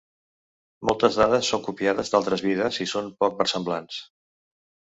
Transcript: Moltes dades són copiades d'altres vides i són poc versemblants.